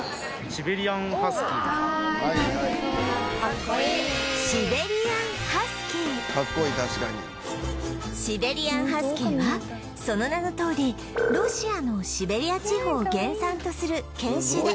シベリアン・ハスキーはその名のとおりロシアのシベリア地方を原産とする犬種で